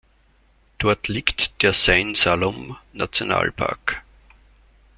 Dort liegt der Sine Saloum National Park.